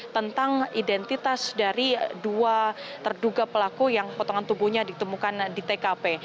tentang identitas dari dua terduga pelaku yang potongan tubuhnya ditemukan di tkp